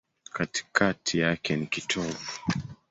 Katikati yake ni kitovu.